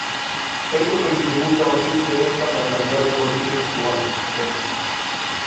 "Feito que dificulta o axuste destas á realidade política actual", entenden.